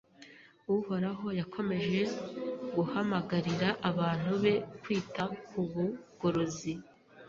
Uhoraho yakomeje guhamagarira abantu be kwita ku bugorozi